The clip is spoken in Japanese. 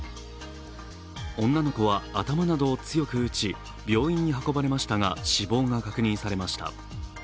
女の子は頭などを強く打ち病院に運ばれましたが死亡が確認されました。